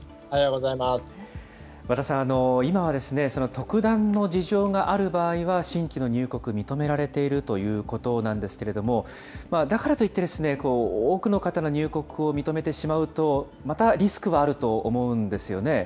和田さん、今は特段の事情がある場合は、新規の入国認められているということなんですけれども、だからといって、多くの方の入国を認めてしまうと、またリスクはあると思うんですよね。